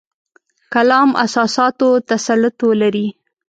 کلام اساساتو تسلط ولري.